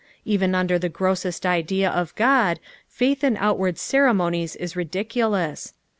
Even under the grossest idea of God, faith in outward ceremonies is ridiculous.